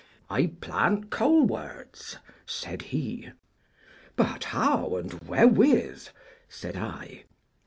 I plant coleworts, said he. But how, and wherewith? said I.